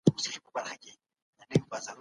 که معلومات منظم وي زده کړه اسانه کیږي.